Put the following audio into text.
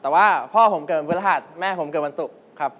แต่ว่าพ่อผมเกิดพฤหัสแม่ผมเกิดวันศุกร์ครับ